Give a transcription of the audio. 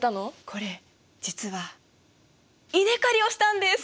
これ実は稲刈りをしたんです！